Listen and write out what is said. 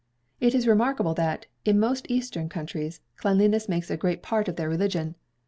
It is remarkable that, in most eastern countries, cleanliness makes a great part of their religion.